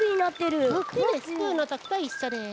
スプーンのときといっしょです。